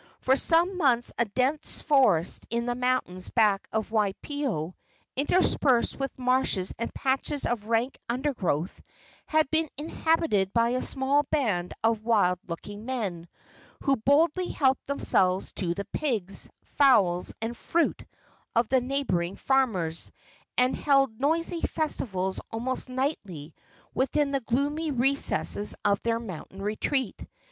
For some months a dense forest in the mountains back of Waipio, interspersed with marshes and patches of rank undergrowth, had been inhabited by a small band of wild looking men, who boldly helped themselves to the pigs, fowls and fruits of the neighboring farmers, and held noisy festivals almost nightly within the gloomy recesses of their mountain retreat.